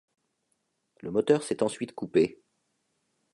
Le moteur s'est ensuite coupé.